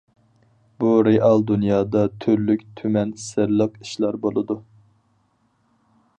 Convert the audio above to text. بۇ رېئال دۇنيادا تۈرلۈك-تۈمەن سىرلىق ئىشلار بولىدۇ.